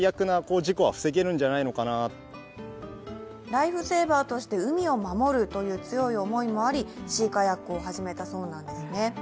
ライフセーバーとして海を守るという強い思いもあり、シーカヤックを始めたそうなんですね。